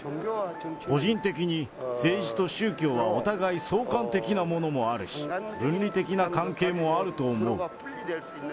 個人的に、政治と宗教はお互い相関的なものもあるし、分離的な関係もあると思う。